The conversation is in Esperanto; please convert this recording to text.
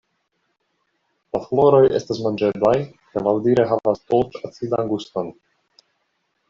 La floroj estas manĝeblaj kaj laŭdire havas dolĉ-acidan guston.